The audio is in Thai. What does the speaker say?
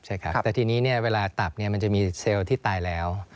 ใช่ครับแต่ทีนี้เวลาตับมันจะมีเซลล์ที่ตายแล้ว